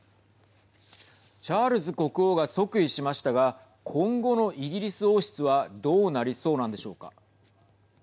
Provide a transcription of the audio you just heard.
チャールズ国王が即位しましたが今後のイギリス王室はどうなりそうなんでしょうか。